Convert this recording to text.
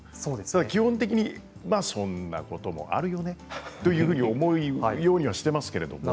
基本的にそんなこともあるよねというふうに思うようにはしています。